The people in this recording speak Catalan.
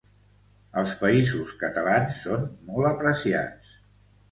Als Països Catalans són molt apreciats.